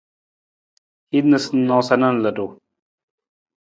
Hin noosanoosa na ludu.